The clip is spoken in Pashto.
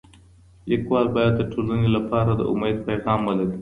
ليکوال بايد د ټولني لپاره د اميد پيغام ولري.